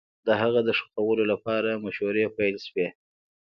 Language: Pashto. د هغه د ښخولو لپاره مشورې پيل سوې